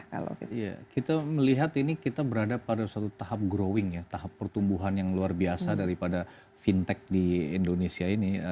ya kita melihat ini kita berada pada suatu tahap growing ya tahap pertumbuhan yang luar biasa daripada fintech di indonesia ini